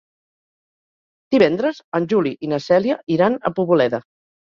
Divendres en Juli i na Cèlia iran a Poboleda.